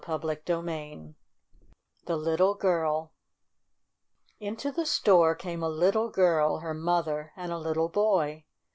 CHAPTER III THE LITTLE GIRL Ixto the store came a little girl, her mother, and a little boy.